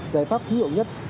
giải pháp khí hậu nhất